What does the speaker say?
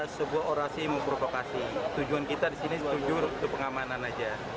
sebuah orasi memprovokasi tujuan kita disini tujuan pengamanan saja